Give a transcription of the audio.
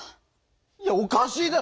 いやおかしいだろ！